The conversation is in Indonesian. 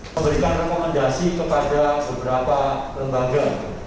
memberikan rekomendasi kepada beberapa lembaga